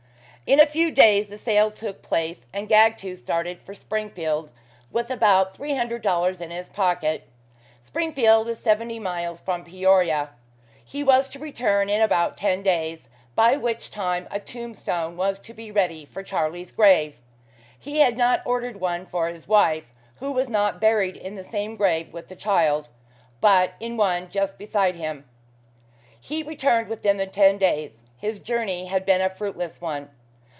In a few days the sale took place, and Gagtooth started for Springfield with about three hundred dollars in his pocket. Springfield is seventy miles from Peoria. He was to return in about ten days, by which time a tombstone was to be ready for Charlie's grave. He had not ordered one for his wife, who was not buried in the same grave with the child, but in one just beside him. He returned within the ten days. His journey had been a fruitless one.